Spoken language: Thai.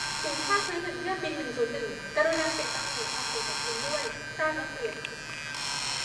ศูนย์ภาคพื้นถึงเที่ยวบินหนึ่งศูนย์หนึ่ง กรุณาเปลี่ยนตำแหน่งความสูงของคุณด้วย ทราบแล้วเปลี่ยน